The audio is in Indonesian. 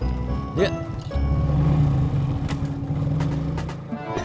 air keliinannya lagi toxins maioria disini